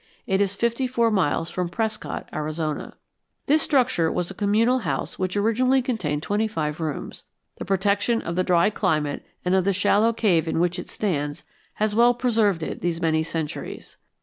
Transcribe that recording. It is fifty four miles from Prescott, Arizona. This structure was a communal house which originally contained twenty five rooms. The protection of the dry climate and of the shallow cave in which it stands has well preserved it these many centuries.